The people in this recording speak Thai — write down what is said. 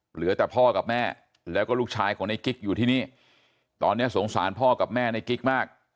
เหลือแต่พ่อกับแม่แล้วก็ลูกชายของในกิ๊กอยู่ที่นี่ตอนนี้สงสารพ่อกับแม่ในกิ๊กมาก